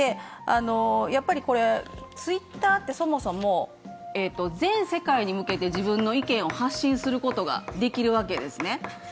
やっぱり、Ｔｗｉｔｔｅｒってそもそも全世界に向けて自分の意見を発信することができるわけですね。